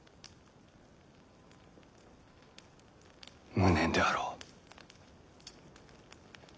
無念であろう。